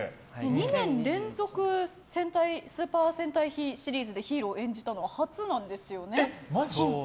２年連続スーパー戦隊シリーズでヒーローを演じたのは初めてなんですよね。